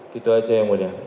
gitu aja yang mulia